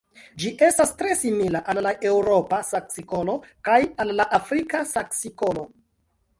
Ĝi estas tre simila al la Eŭropa saksikolo kaj al la Afrika saksikolo.